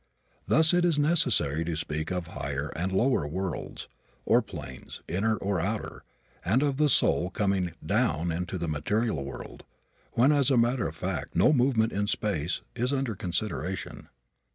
Thus, it is necessary to speak of higher and lower worlds, or planes, inner or outer, and of the soul coming "down" into the material world when, as a matter of fact, no movement in space is under consideration.